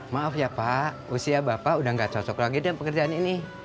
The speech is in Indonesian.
maaf ya pak usia bapak udah gak cocok lagi dengan pekerjaan ini